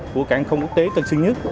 của cảng công quốc tế tân sơn nhất